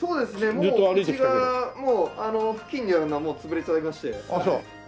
もううちが付近にあるのはもう潰れちゃいまして。